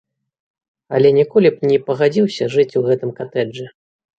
Але ніколі б не пагадзіўся жыць у гэтым катэджы.